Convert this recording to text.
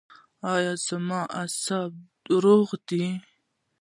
ایا زما اعصاب روغ دي؟